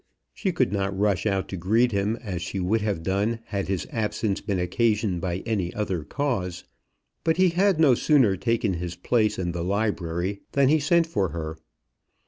She could not rush out to greet him, as she would have done had his absence been occasioned by any other cause. But he had no sooner taken his place in the library than he sent for her.